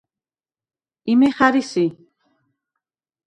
იმე ხა̈რი სი?